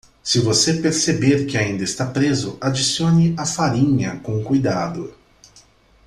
Se você perceber que ainda está preso, adicione a farinha com cuidado.